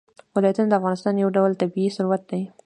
ولایتونه د افغانستان یو ډول طبعي ثروت دی.